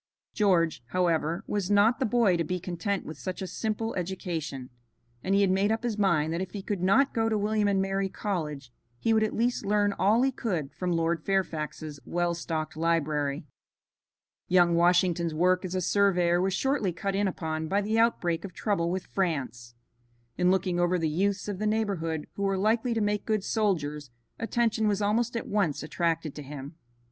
George, however, was not the boy to be content with such a simple education, and he had made up his mind that if he could not go to William and Mary College he would at least learn all he could from Lord Fairfax's well stocked library. Young Washington's work as a surveyor was shortly cut in upon by the outbreak of trouble with France. In looking over the youths of the neighborhood who were likely to make good soldiers, attention was almost at once attracted to him.